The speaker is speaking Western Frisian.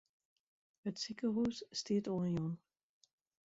It sikehús stiet oanjûn.